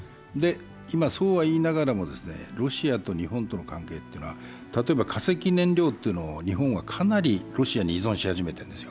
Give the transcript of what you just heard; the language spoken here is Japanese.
今そうはいいながらもロシアと日本の関係というのは、例えば化石燃料を日本はかなりロシアに依存しているんですよ。